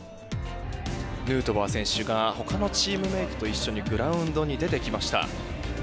ヌートバー選手が他のチームメートと一緒にグラウンドに出てきました。